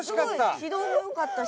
軌道もよかったし。